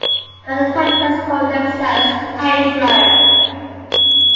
The inhabitants call themselves "Aistmer".